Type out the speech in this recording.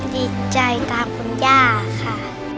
ดีใจตามคุณย่าค่ะ